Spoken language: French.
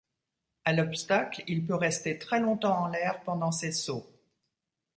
À l'obstacle, il peut rester très longtemps en l'air pendant ses sauts.